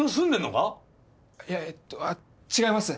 いやえっと違います。